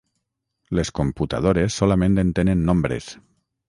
Les computadores solament entenen nombres.